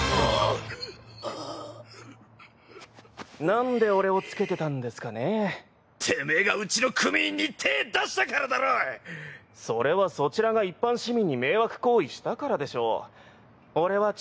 なんで俺をつけてたんですかてめぇがうちの組員に手ぇ出したからそれはそちらが一般市民に迷惑行為したからでしょ。